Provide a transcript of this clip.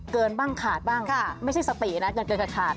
เกินบ้างขาดบ้างไม่ใช่สตินะเกินขาด